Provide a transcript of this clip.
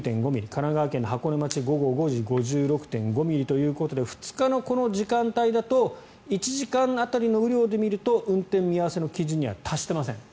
神奈川県箱根町、午後５時５６．５ミリということで２日のこの時間帯だと１時間当たりの雨量で見ると運転見合わせの基準には達していません。